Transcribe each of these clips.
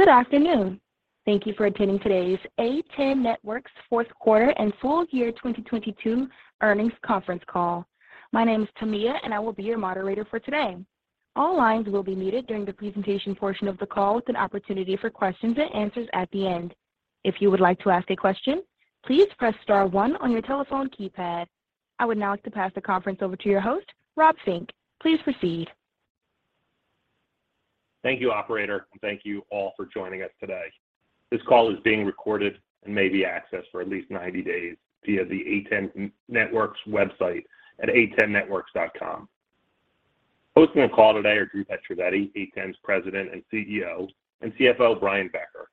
Good afternoon. Thank you for attending today's A10 Networks fourth quarter and full year 2022 earnings conference call. My name is Tamiya, and I will be your moderator for today. All lines will be muted during the presentation portion of the call with an opportunity for questions and answers at the end. If you would like to ask a question, please press star one on your telephone keypad. I would now like to pass the conference over to your host, Rob Fink. Please proceed. Thank you, operator. Thank you all for joining us today. This call is being recorded and may be accessed for at least 90 days via the A10 Networks website at a10networks.com. Hosting the call today are Dhrupad Trivedi, A10's President and CEO, and CFO Brian Becker.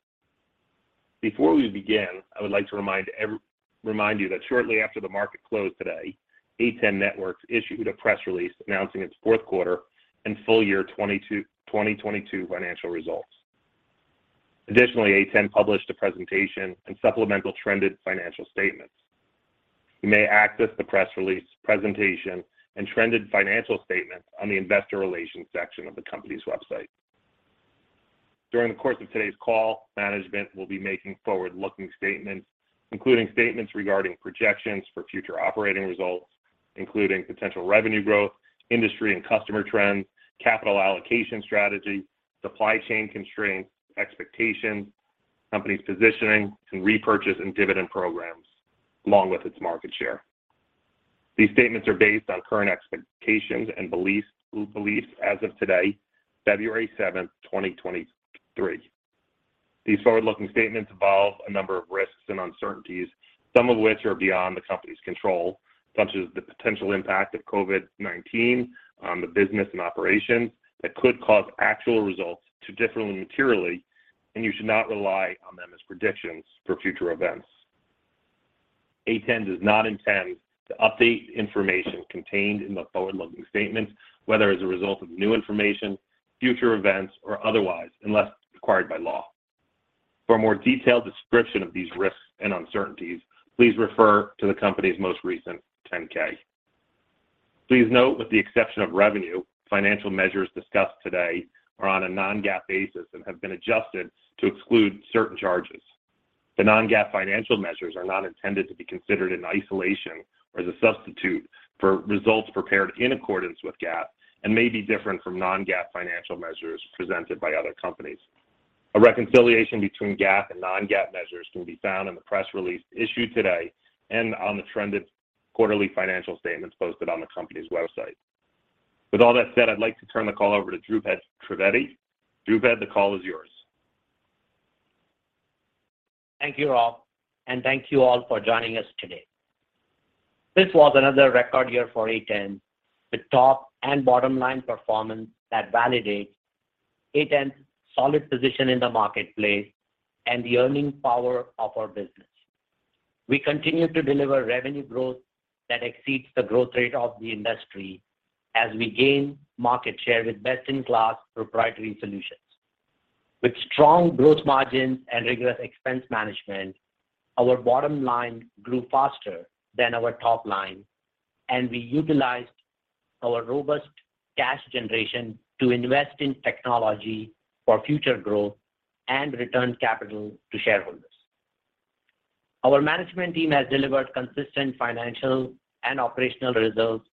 Before we begin, I would like to remind you that shortly after the market closed today, A10 Networks issued a press release announcing its fourth quarter and full year 2022 financial results. Additionally, A10 published a presentation and supplemental trended financial statements. You may access the press release presentation and trended financial statements on the investor relations section of the company's website. During the course of today's call, management will be making forward-looking statements, including statements regarding projections for future operating results, including potential revenue growth, industry and customer trends, capital allocation strategy, supply chain constraints, expectations, company's positioning, and repurchase and dividend programs, along with its market share. These statements are based on current expectations and beliefs as of today, February 17th, 2023. These forward-looking statements involve a number of risks and uncertainties, some of which are beyond the company's control, such as the potential impact of COVID-19 on the business and operations that could cause actual results to differ materially, and you should not rely on them as predictions for future events. A10 does not intend to update information contained in the forward-looking statements, whether as a result of new information, future events, or otherwise, unless required by law. For a more detailed description of these risks and uncertainties, please refer to the company's most recent 10-K. Please note with the exception of revenue, financial measures discussed today are on a non-GAAP basis and have been adjusted to exclude certain charges. The non-GAAP financial measures are not intended to be considered in isolation or as a substitute for results prepared in accordance with GAAP and may be different from non-GAAP financial measures presented by other companies. A reconciliation between GAAP and non-GAAP measures can be found in the press release issued today and on the trended quarterly financial statements posted on the company's website. With all that said, I'd like to turn the call over to Dhrupad Trivedi. Dhruva, the call is yours. Thank you, Rob, and thank you all for joining us today. This was another record year for A10, with top and bottom line performance that validates A10's solid position in the marketplace and the earning power of our business. We continue to deliver revenue growth that exceeds the growth rate of the industry as we gain market share with best-in-class proprietary solutions. With strong growth margins and rigorous expense management, our bottom line grew faster than our top line, and we utilized our robust cash generation to invest in technology for future growth and return capital to shareholders. Our management team has delivered consistent financial and operational results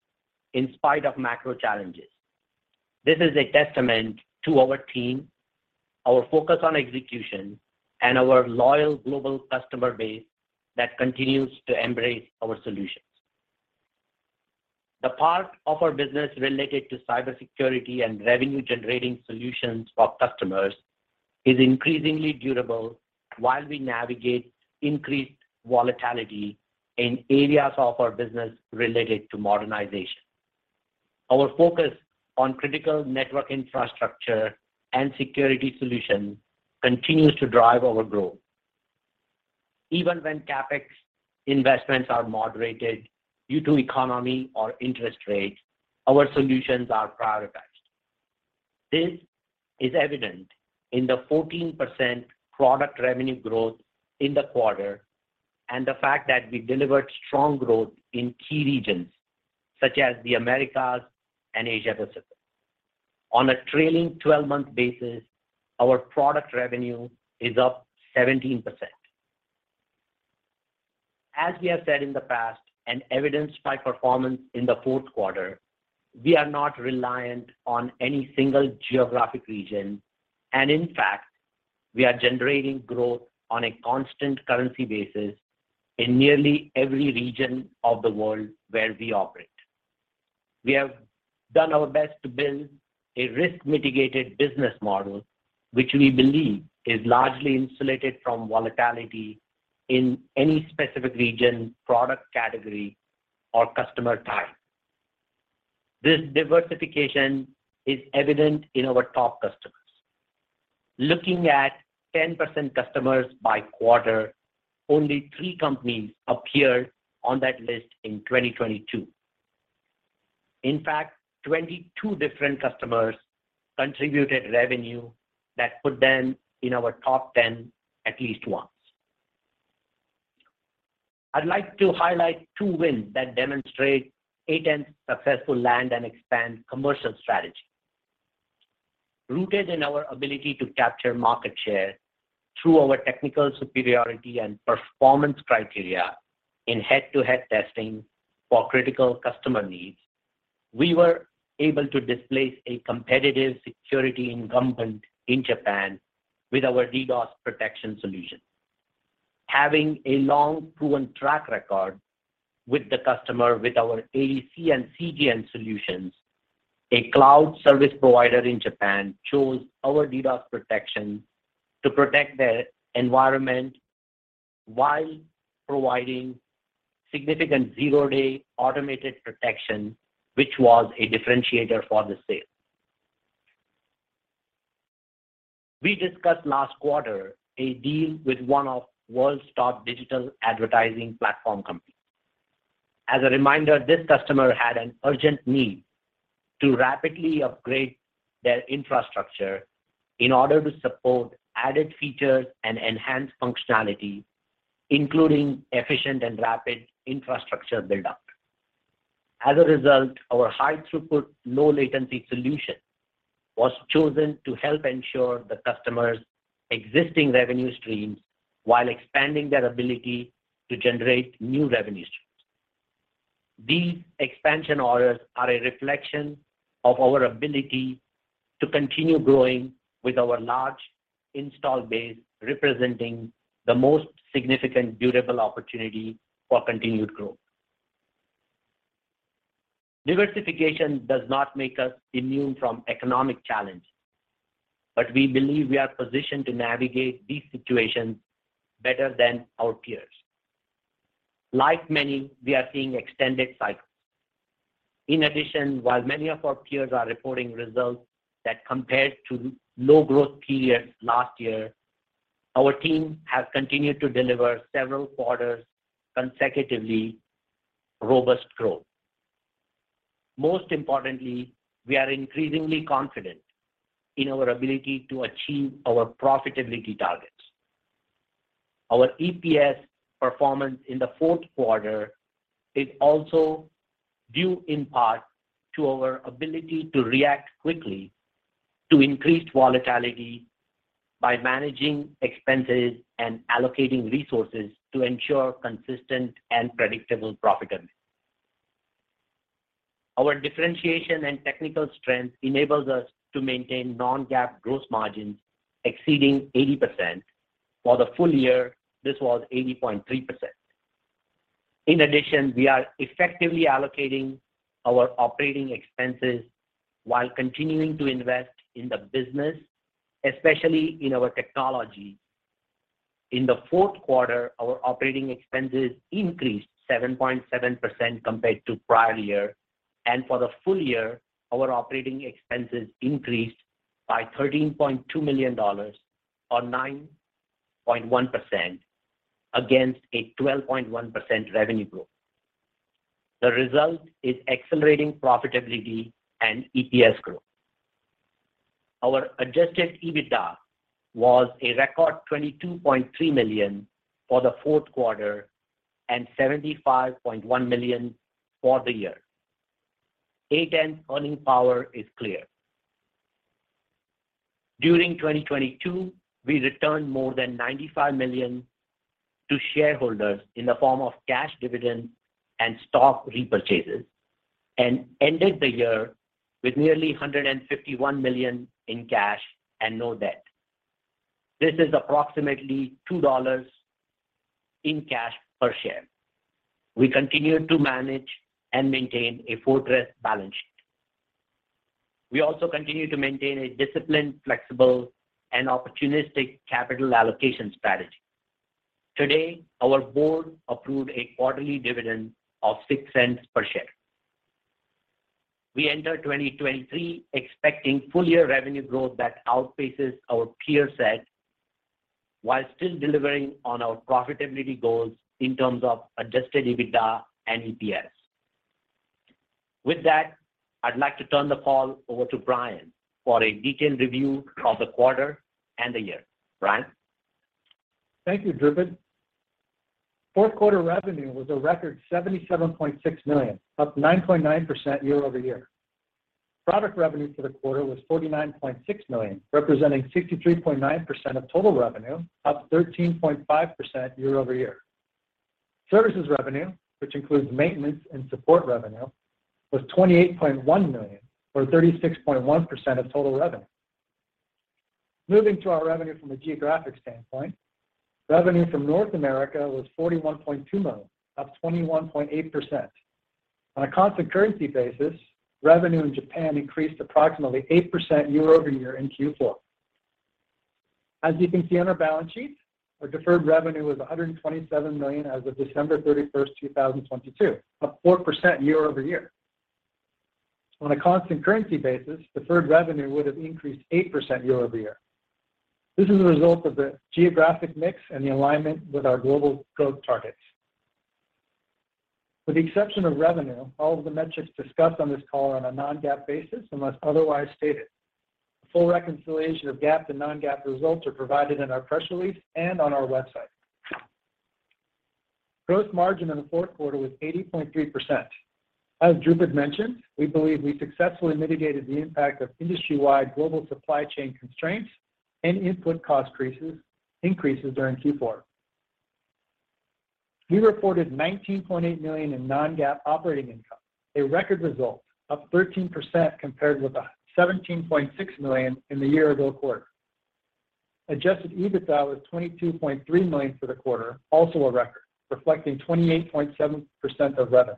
in spite of macro challenges. This is a testament to our team, our focus on execution, and our loyal global customer base that continues to embrace our solutions. The part of our business related to cybersecurity and revenue-generating solutions for customers is increasingly durable while we navigate increased volatility in areas of our business related to modernization. Our focus on critical network infrastructure and security solutions continues to drive our growth. Even when CapEx investments are moderated due to economy or interest rates, our solutions are prioritized. This is evident in the 14% product revenue growth in the quarter and the fact that we delivered strong growth in key regions such as the Americas and Asia Pacific. On a trailing twelve-month basis, our product revenue is up 17%. As we have said in the past, and evidenced by performance in the fourth quarter, we are not reliant on any single geographic region, and in fact, we are generating growth on a constant currency basis in nearly every region of the world where we operate. We have done our best to build a risk mitigated business model, which we believe is largely insulated from volatility in any specific region, product category, or customer type. This diversification is evident in our top customers. Looking at 10% customers by quarter, only three companies appeared on that list in 2022. In fact, 22 different customers contributed revenue that put them in our top 10 at least once. I'd like to highlight two wins that demonstrate A10 successful land and expand commercial strategy. Rooted in our ability to capture market share through our technical superiority and performance criteria in head-to-head testing for critical customer needs, we were able to displace a competitive security incumbent in Japan with our DDoS protection solution. Having a long proven track record with the customer with our ADC and CGN solutions, a cloud service provider in Japan chose our DDoS protection to protect their environment while providing significant zero-day automated protection, which was a differentiator for the sale. We discussed last quarter a deal with one of world's top digital advertising platform companies. As a reminder, this customer had an urgent need to rapidly upgrade their infrastructure in order to support added features and enhance functionality, including efficient and rapid infrastructure buildup. As a result, our high throughput, low latency solution was chosen to help ensure the customer's existing revenue streams while expanding their ability to generate new revenue streams. These expansion orders are a reflection of our ability to continue growing with our large install base, representing the most significant durable opportunity for continued growth. Diversification does not make us immune from economic challenges, but we believe we are positioned to navigate these situations better than our peers. Like many, we are seeing extended cycles. In addition, while many of our peers are reporting results that compared to low growth periods last year, our team has continued to deliver several quarters consecutively robust growth. Most importantly, we are increasingly confident in our ability to achieve our profitability targets. Our EPS performance in the fourth quarter is also due in part to our ability to react quickly to increased volatility by managing expenses and allocating resources to ensure consistent and predictable profitability. Our differentiation and technical strength enables us to maintain non-GAAP gross margins exceeding 80%. For the full year, this was 80.3%. In addition, we are effectively allocating our OpEx while continuing to invest in the business, especially in our technology. In the fourth quarter, our OpEx increased 7.7% compared to prior year, and for the full year, our OpEx increased by $13.2 million, or 9.1% against a 12.1% revenue growth. The result is accelerating profitability and EPS growth. Our adjusted EBITDA was a record $22.3 million for the fourth quarter and $75.1 million for the year. A10 earning power is clear. During 2022, we returned more than $95 million to shareholders in the form of cash dividends and stock repurchases and ended the year with nearly $151 million in cash and no debt. This is approximately $2 in cash per share. We continue to manage and maintain a fortress balance sheet. We also continue to maintain a disciplined, flexible, and opportunistic capital allocation strategy. Today, our board approved a quarterly dividend of $0.06 per share. We enter 2023 expecting full year revenue growth that outpaces our peer set while still delivering on our profitability goals in terms of adjusted EBITDA and EPS. With that, I'd like to turn the call over to Brian for a detailed review of the quarter and the year. Brian? Thank you, Dhrupad. Fourth quarter revenue was a record $77.6 million, up 9.9% year-over-year. Product revenue for the quarter was $49.6 million, representing 63.9% of total revenue, up 13.5% year-over-year. Services revenue, which includes maintenance and support revenue, was $28.1 million, or 36.1% of total revenue. Moving to our revenue from a geographic standpoint, revenue from North America was $41.2 million, up 21.8%. On a constant currency basis, revenue in Japan increased approximately 8% year-over-year in Q4. As you can see on our balance sheet, our deferred revenue was $127 million as of December 31, 2022, up 4% year-over-year. On a constant currency basis, deferred revenue would have increased 8% year-over-year. This is a result of the geographic mix and the alignment with our global growth targets. With the exception of revenue, all of the metrics discussed on this call are on a non-GAAP basis unless otherwise stated. A full reconciliation of GAAP to non-GAAP results are provided in our press release and on our website. Gross margin in the fourth quarter was 80.3%. As Dhrupad mentioned, we believe we successfully mitigated the impact of industry-wide global supply chain constraints and input cost increases during Q4. We reported $19.8 million in non-GAAP operating income, a record result, up 13% compared with $17.6 million in the year-ago quarter. Adjusted EBITDA was $22.3 million for the quarter, also a record, reflecting 28.7% of revenue.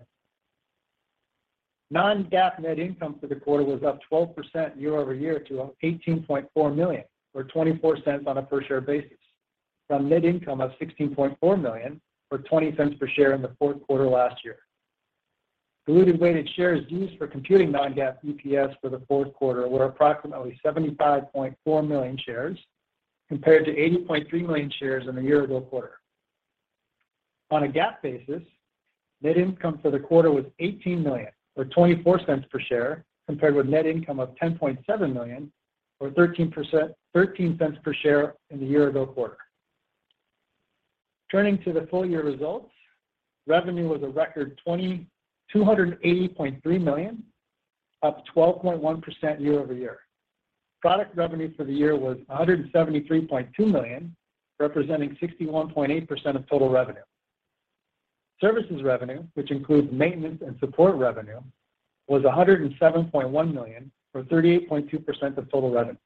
Non-GAAP net income for the quarter was up 12% year-over-year to $18.4 million, or $0.24 on a per-share basis, from net income of $16.4 million, or $0.20 per share in the fourth quarter last year. Diluted weighted shares used for computing non-GAAP EPS for the fourth quarter were approximately 75.4 million shares, compared to 80.3 million shares in the year-ago quarter. On a GAAP basis, net income for the quarter was $18 million, or $0.24 per share, compared with net income of $10.7 million, or $0.13 per share in the year-ago quarter. Turning to the full year results, revenue was a record $280.3 million, up 12.1% year-over-year. Product revenue for the year was $173.2 million, representing 61.8% of total revenue. Services revenue, which includes maintenance and support revenue, was $107.1 million, or 38.2% of total revenue.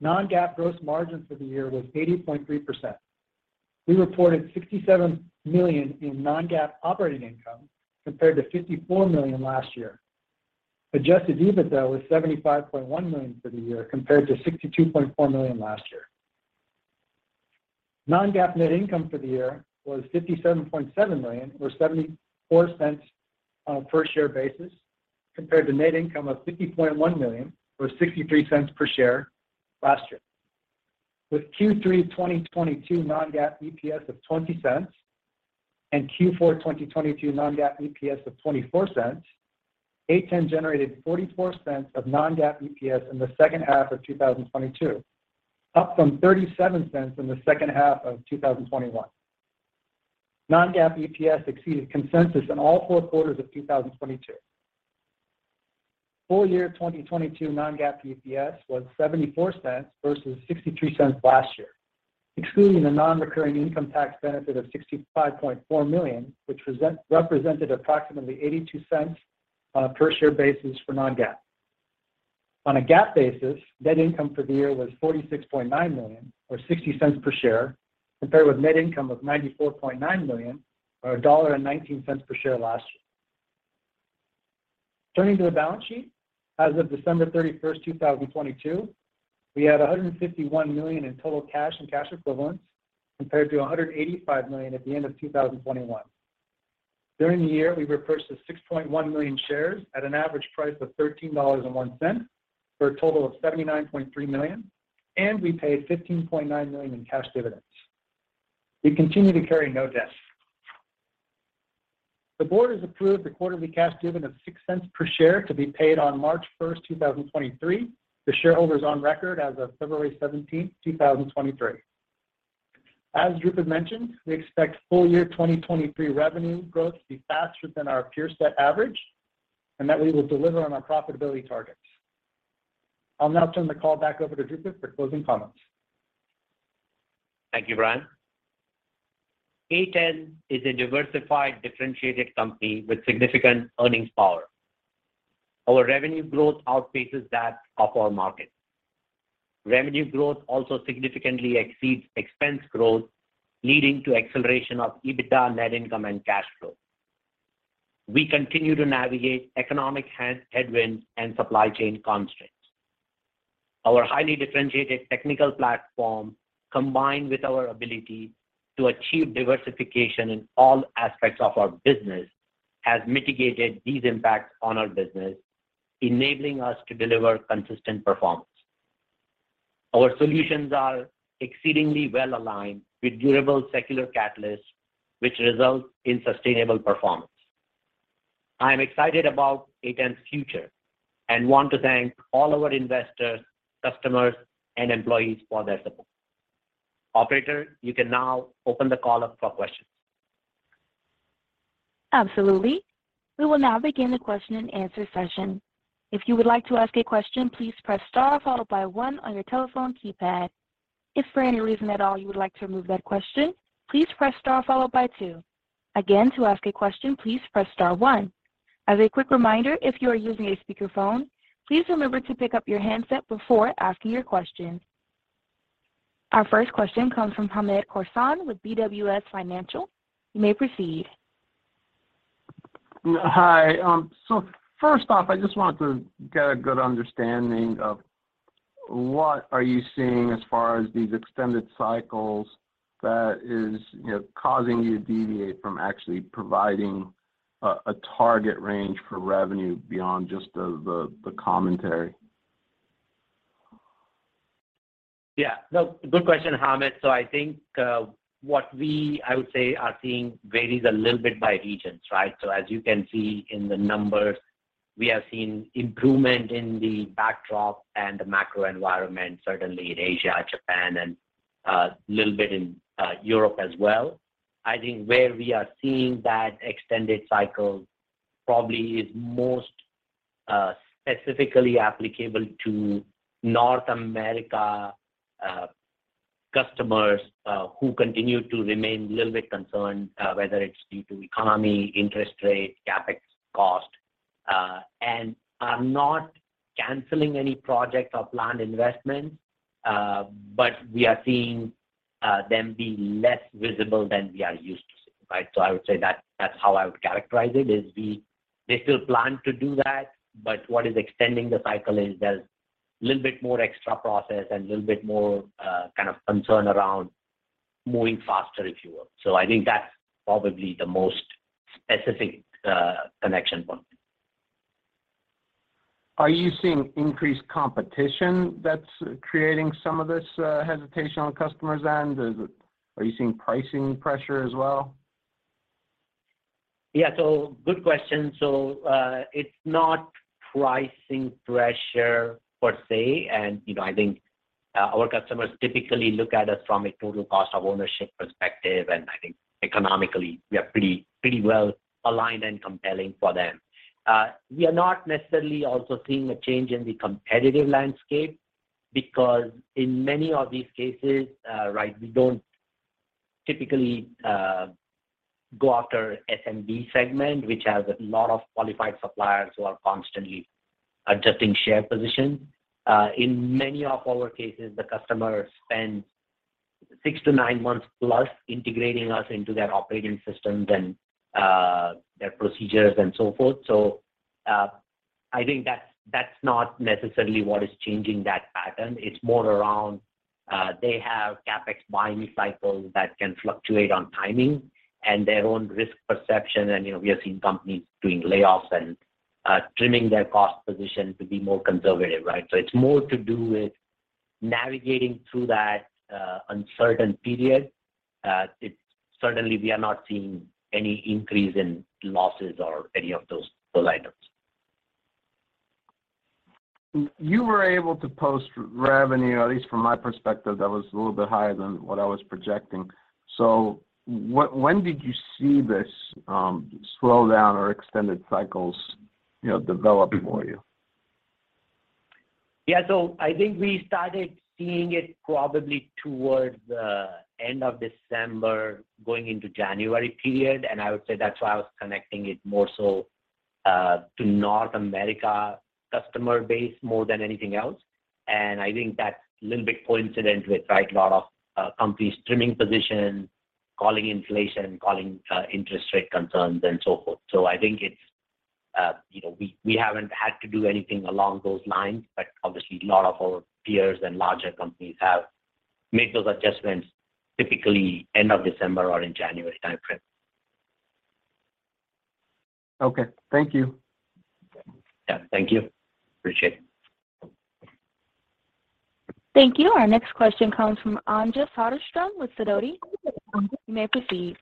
Non-GAAP gross margin for the year was 80.3%. We reported $67 million in non-GAAP operating income, compared to $54 million last year. Adjusted EBITDA was $75.1 million for the year, compared to $62.4 million last year. Non-GAAP net income for the year was $57.7 million, or $0.74 on a per-share basis, compared to net income of $50.1 million, or $0.63 per share last year. With Q3 2022 non-GAAP EPS of $0.20 and Q4 2022 non-GAAP EPS of $0.24, A10 generated $0.44 of non-GAAP EPS in the second half of 2022, up from $0.37 in the second half of 2021. Non-GAAP EPS exceeded consensus in all four quarters of 2022. Full year 2022 non-GAAP EPS was $0.74 versus $0.63 last year, excluding a non-recurring income tax benefit of $65.4 million, which represented approximately $0.82 on a per-share basis for non-GAAP. On a GAAP basis, net income for the year was $46.9 million, or $0.60 per share, compared with net income of $94.9 million, or $1.19 per share last year. Turning to the balance sheet, as of December 31st, 2022, we had $151 million in total cash and cash equivalents, compared to $185 million at the end of 2021. During the year, we repurchased 6.1 million shares at an average price of $13.01, for a total of $79.3 million, and we paid $15.9 million in cash dividends. We continue to carry no debt. The board has approved a quarterly cash dividend of $0.06 per share to be paid on March 1, 2023 to shareholders on record as of February 17, 2023. As Dhrupad mentioned, we expect full year 2023 revenue growth to be faster than our peer set average and that we will deliver on our profitability targets. I'll now turn the call back over to Dhrupad for closing comments. Thank you, Brian. A10 is a diversified, differentiated company with significant earnings power. Our revenue growth outpaces that of our market. Revenue growth also significantly exceeds expense growth, leading to acceleration of EBITDA, net income, and cash flow. We continue to navigate economic headwinds and supply chain constraints. Our highly differentiated technical platform, combined with our ability to achieve diversification in all aspects of our business, has mitigated these impacts on our business, enabling us to deliver consistent performance. Our solutions are exceedingly well-aligned with durable secular catalysts which result in sustainable performance. I am excited about A10's future and want to thank all our investors, customers, and employees for their support. Operator, you can now open the call up for questions. Absolutely. We will now begin the question and answer session. If you would like to ask a question, please press star followed by one on your telephone keypad. If for any reason at all you would like to remove that question, please press star followed by two. Again, to ask a question, please press star one. As a quick reminder, if you are using a speakerphone, please remember to pick up your handset before asking your question. Our first question comes from Hamed Khorsand with BWS Financial. You may proceed. Hi. First off, I just wanted to get a good understanding of what are you seeing as far as these extended cycles that is, you know, causing you to deviate from actually providing a target range for revenue beyond just the commentary? Yeah, no, good question, Hamed. I think, what we, I would say, are seeing varies a little bit by region, right? As you can see in the numbers, we have seen improvement in the backdrop and the macro environment, certainly in Asia, Japan, and a little bit in Europe as well. I think where we are seeing that extended cycle probably is most specifically applicable to North America customers, who continue to remain a little bit concerned, whether it's due to economy, interest rate, CapEx cost. Are not canceling any projects or planned investments, but we are seeing them be less visible than we are used to seeing, right? I would say that's how I would characterize it, is they still plan to do that. What is extending the cycle is there's a little bit more extra process and a little bit more kind of concern around moving faster, if you will. I think that's probably the most specific connection point. Are you seeing increased competition that's creating some of this, hesitation on customers' end? Are you seeing pricing pressure as well? Good question. It's not pricing pressure per say. You know, I think our customers typically look at us from a total cost of ownership perspective. I think economically, we are pretty well aligned and compelling for them. We are not necessarily also seeing a change in the competitive landscape because in many of these cases, right, we don't typically go after SMB segment, which has a lot of qualified suppliers who are constantly adjusting share position. In many of our cases, the customer spends six to nine months plus integrating us into their operating systems and their procedures and so forth. I think that's not necessarily what is changing that pattern. It's more around, they have CapEx buying cycles that can fluctuate on timing and their own risk perception. you know, we are seeing companies doing layoffs and trimming their cost position to be more conservative, right? it's more to do with navigating through that uncertain period. Certainly we are not seeing any increase in losses or any of those items. You were able to post revenue, at least from my perspective, that was a little bit higher than what I was projecting. When did you see this, slowdown or extended cycles, you know, develop for you? Yeah. I think we started seeing it probably towards the end of December going into January period. I would say that's why I was connecting it more so to North America customer base more than anything else. I think that's a little bit coincident with, right, a lot of companies trimming position, calling inflation, calling interest rate concerns, and so forth. I think it's, you know. We haven't had to do anything along those lines, but obviously a lot of our peers and larger companies have made those adjustments, typically end of December or in January timeframe. Okay. Thank you. Yeah. Thank you. Appreciate it. Thank you. Our next question comes from Anja Soderstrom with Sidoti. Anja, you may proceed.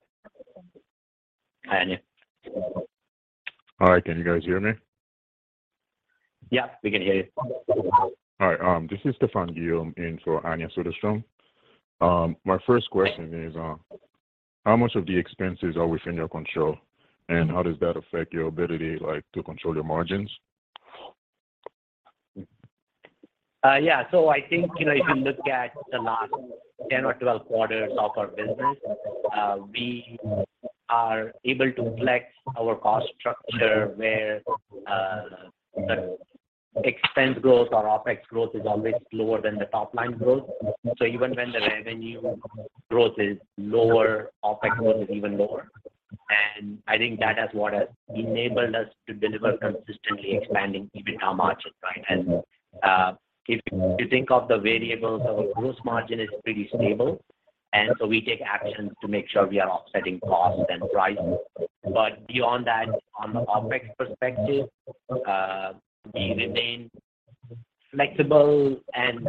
Hi, Anja. Hi. Can you guys hear me? Yeah, we can hear you. All right. This is Stephane Guillaume in for Anja Soderstrom. My first question is, how much of the expenses are within your control, and how does that affect your ability, like, to control your margins? Yeah. I think, you know, if you look at the last 10 or 12 quarters of our business, we are able to flex our cost structure where the expense growth or OpEx growth is always lower than the top line growth. Even when the revenue growth is lower, OpEx growth is even lower. I think that is what has enabled us to deliver consistently expanding EBITDA margins, right? If you think of the variables, our gross margin is pretty stable, we take actions to make sure we are offsetting costs and pricing. Beyond that, on the OpEx perspective, we remain flexible and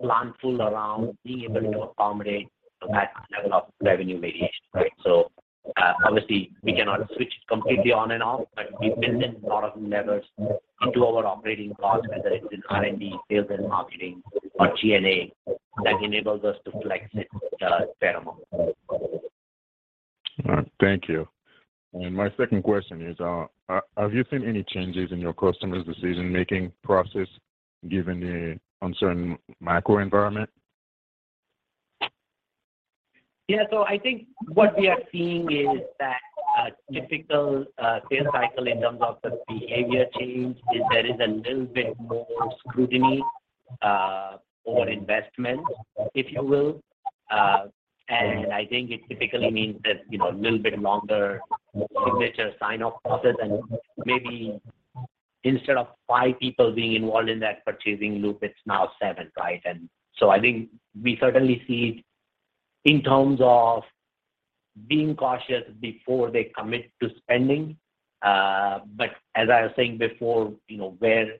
planful around being able to accommodate that level of revenue variation, right? Obviously, we cannot switch completely on and off, but we've built in a lot of levers into our operating costs, whether it's in R&D, sales and marketing or G&A, that enables us to flex it, better. All right. Thank you. My second question is, have you seen any changes in your customers' decision-making process given the uncertain macro environment? Yeah. I think what we are seeing is that a typical sales cycle in terms of the behavior change is there is a little bit more scrutiny for investment, if you will. I think it typically means that, you know, a little bit longer signature sign-off process and maybe instead of five people being involved in that purchasing loop, it's now seven, right? I think we certainly see in terms of being cautious before they commit to spending. As I was saying before, you know, where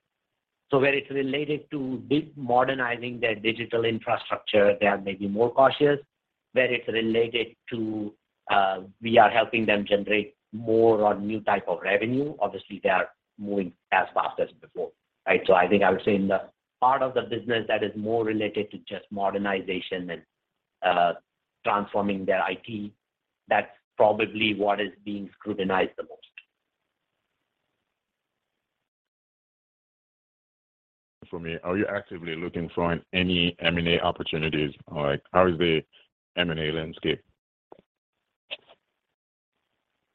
it's related to de-modernizing their digital infrastructure, they are maybe more cautious. Where it's related to, we are helping them generate more on new type of revenue, obviously, they are moving as fast as before, right? I think I would say in the part of the business that is more related to just modernization and transforming their IT, that's probably what is being scrutinized the most. For me, are you actively looking for any M&A opportunities, or how is the M&A landscape?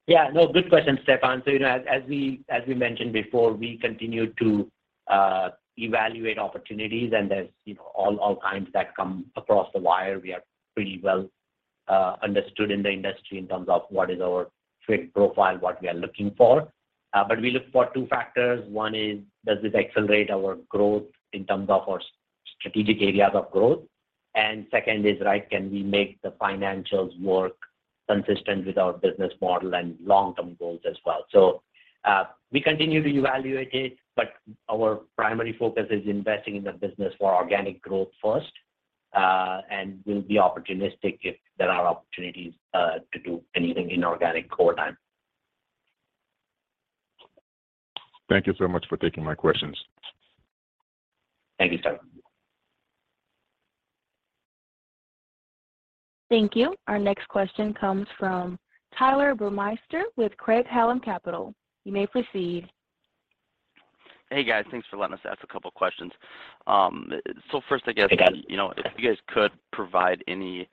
Yeah. No, good question, Stefan. You know, as we mentioned before, we continue to evaluate opportunities, and as you know, all kinds that come across the wire, we are pretty well understood in the industry in terms of what is our fit profile, what we are looking for. We look for two factors. One is, does this accelerate our growth in terms of our strategic areas of growth? Second is, right, can we make the financials work consistent with our business model and long-term goals as well? We continue to evaluate it, but our primary focus is investing in the business for organic growth first, and we'll be opportunistic if there are opportunities to do anything inorganic over time. Thank you so much for taking my questions. Thank you, Stephane. Thank you. Our next question comes from Tyler Burmeister with Craig-Hallum Capital. You may proceed. Hey, guys. Thanks for letting us ask a couple of questions. first, I guess. Hey, guys.... you know, if you guys could provide any,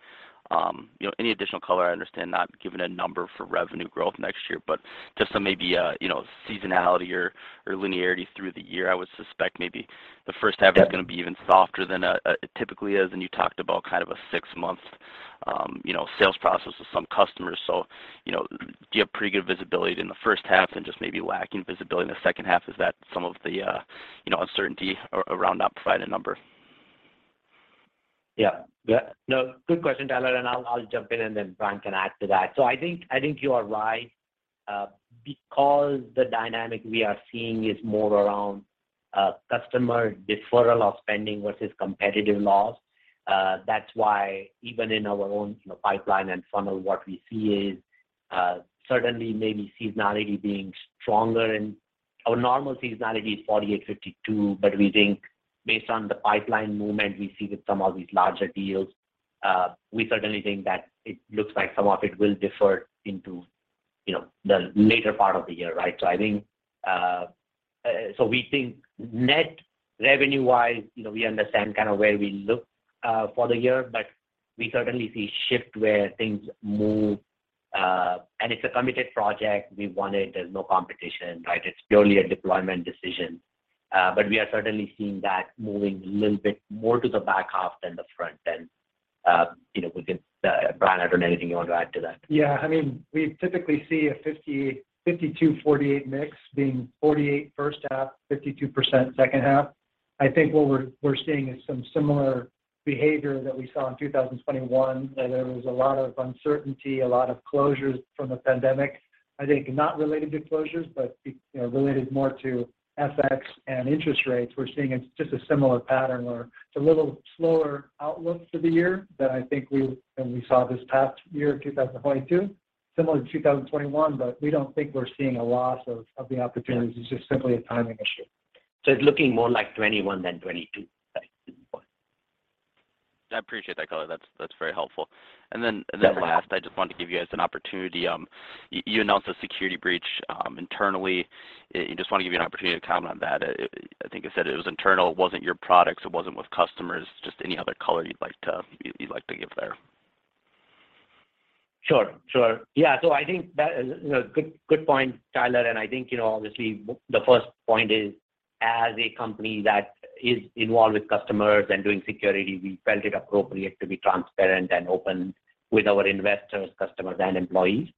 you know, any additional color. I understand not giving a number for revenue growth next year, but just some maybe, you know, seasonality or linearity through the year. I would suspect maybe the first half is gonna be even softer than, it typically is, and you talked about kind of a six month, you know, sales process with some customers. Do you have pretty good visibility in the first half and just maybe lacking visibility in the second half? Is that some of the, you know, uncertainty around not providing a number? Yeah. No, good question, Tyler, and I'll jump in and then Brian can add to that. I think you are right. Because the dynamic we are seeing is more around customer deferral of spending versus competitive loss, that's why even in our own, you know, pipeline and funnel, what we see is certainly maybe seasonality being stronger. Our normal seasonality is 48/52, but we think based on the pipeline movement, we see that some of these larger deals, we certainly think that it looks like some of it will defer into, you know, the later part of the year, right? I think, so we think net revenue-wise, you know, we understand kind of where we look for the year, but we certainly see shift where things move, and it's a committed project we wanted, there's no competition, right? It's purely a deployment decision. But we are certainly seeing that moving a little bit more to the back half than the front then. You know, Brian, I don't know anything you want to add to that. Yeah. I mean, we typically see a 50, 52/48 mix, being 48 first half, 52% second half. I think what we're seeing is some similar behavior that we saw in 2021, where there was a lot of uncertainty, a lot of closures from the pandemic. I think not related to closures, but re-related more to FX and interest rates. We're seeing it's just a similar pattern where it's a little slower outlook for the year than I think than we saw this past year, 2022. Similar to 2021, but we don't think we're seeing a loss of the opportunities. It's just simply a timing issue. it's looking more like 2021 than 2022. I appreciate that color. That's very helpful. Yeah Last, I just wanted to give you guys an opportunity, you announced a security breach, internally. I just want to give you an opportunity to comment on that. I think you said it was internal, it wasn't your products, it wasn't with customers, just any other color you'd like to give there. Sure. I think that, you know, good point, Tyler. I think, you know, obviously the first point is, as a company that is involved with customers and doing security, we felt it appropriate to be transparent and open with our investors, customers and employees.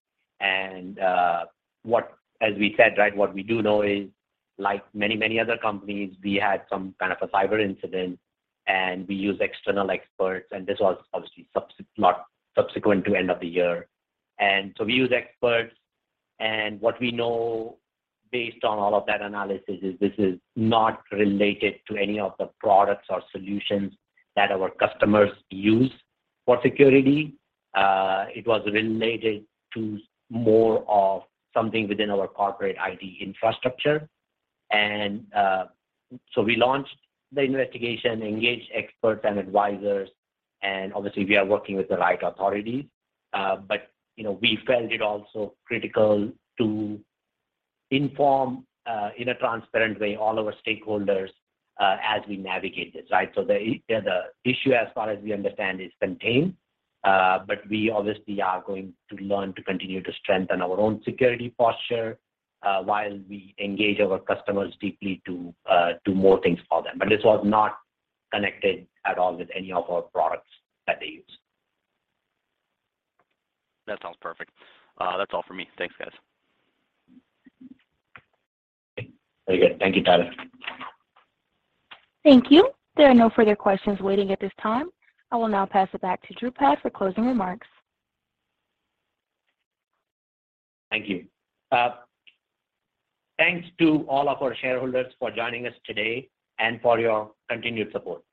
As we said, right, what we do know is, like many other companies, we had some kind of a cyber incident, and we used external experts, and this was obviously not subsequent to end of the year. We used experts, and what we know based on all of that analysis is this is not related to any of the products or solutions that our customers use for security. It was related to more of something within our corporate IT infrastructure. We launched the investigation, engaged experts and advisors, and obviously, we are working with the right authorities. You know, we felt it also critical to inform, in a transparent way, all our stakeholders, as we navigate this, right. The, the issue, as far as we understand, is contained, but we obviously are going to learn to continue to strengthen our own security posture, while we engage our customers deeply to, do more things for them. This was not connected at all with any of our products that they use. That sounds perfect. That's all for me. Thanks, guys. Very good. Thank you, Tyler. Thank you. There are no further questions waiting at this time. I will now pass it back to Dhrupad for closing remarks. Thank you. Thanks to all of our shareholders for joining us today and for your continued support. Thank you.